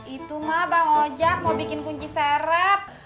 itu mah bang oja mau bikin kunci serep